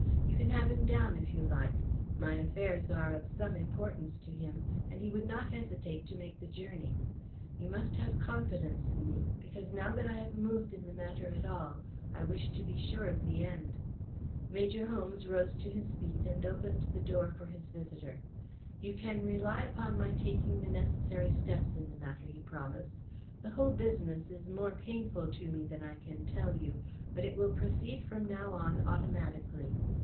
You can have him down, if you like. My affairs are of some importance to him and he would not hesitate to make the journey. You must have confidence in me, because now that I have moved in the matter at all, I wish to be sure of the end." Major Holmes rose to his feet and opened the door for his visitor. "You can rely upon my taking the necessary steps in the matter," he promised. "The whole business is more painful to me than I can tell you, but it will proceed from now on automatically.